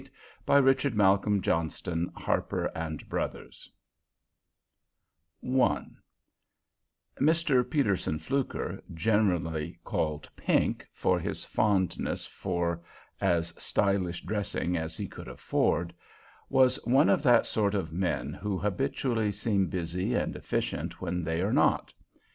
PINK FLUKER BY RICHARD MALCOLM JOHNSTON (1822–1898) I Mr. Peterson Fluker, generally called Pink, for his fondness for as stylish dressing as he could afford, was one of that sort of men who habitually seem busy and efficient when they are not.